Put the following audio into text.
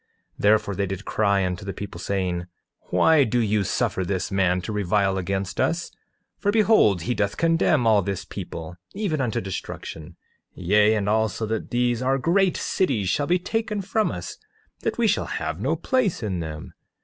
8:5 Therefore they did cry unto the people, saying: Why do you suffer this man to revile against us? For behold he doth condemn all this people, even unto destruction; yea, and also that these our great cities shall be taken from us, that we shall have no place in them.